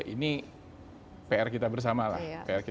ini pr kita bersama lah